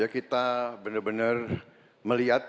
kita benar benar melihat